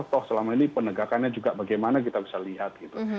toh selama ini penegakannya juga bagaimana kita bisa lihat gitu